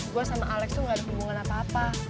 gue sama alex tuh gak ada hubungan apa apa